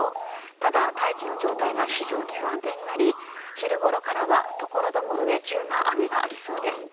ただ、大気の状態が非常に不安定になり昼ごろからは所々で急な雨がありそうです。